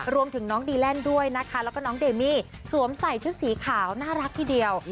รวมถึงน้องดีแลนด์ด้วยนะคะแล้วก็น้องเดมี่สวมใส่ชุดสีขาวน่ารักทีเดียว